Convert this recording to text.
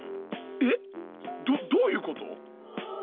えっ⁉どどういうこと？